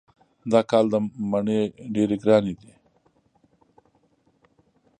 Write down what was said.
دا کال مڼې ډېرې ګرانې دي.